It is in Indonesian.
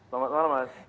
selamat malam mas